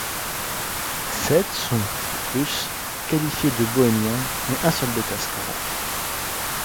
Sept sont, de plus, qualifiés de bohémiens et un seul de cascarot.